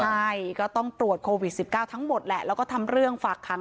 ใช่ก็ต้องตรวจโควิด๑๙ทั้งหมดแหละแล้วก็ทำเรื่องฝากขัง